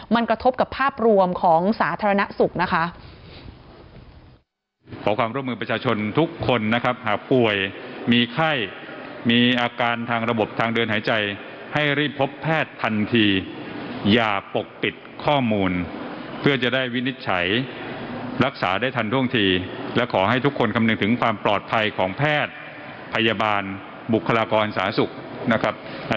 มันกระทบกับภาพรวมของสาธารณสุขนะคะ